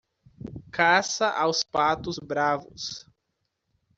Caça aos patos bravos